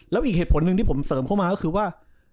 แล้วอีกเหตุผลหนึ่งที่ผมเสริมเข้ามาก็คือว่า